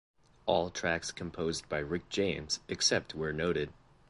All tracks composed by Rick James, except where noted.